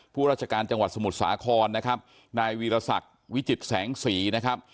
ผู้ราชการจังหวัดสมุทรสาครนะครับนายวีรศักดิ์วิจิตแสงสีนะครับ